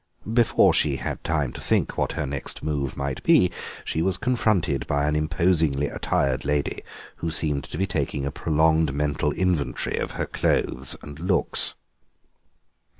Before she had time to think what her next move might be she was confronted by an imposingly attired lady, who seemed to be taking a prolonged mental inventory of her clothes and looks.